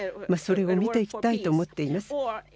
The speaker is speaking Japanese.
それを見ていきたいと思っています。